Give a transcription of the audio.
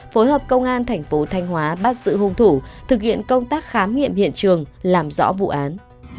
phối hợp công an thành phố thanh hóa bắt giữ hung thủ thực hiện công tác khám nghiệm hiện trường làm rõ vụ án